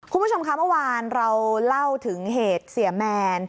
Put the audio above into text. คุณผู้ชมค่ะเมื่อวานเราเล่าถึงเหตุเสียแมน